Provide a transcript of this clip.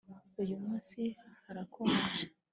uyu munsi harakonje